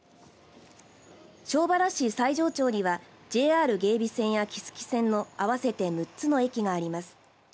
庄原市西城町にはＪＲ芸備線や木次線の合わせて６つの駅があります。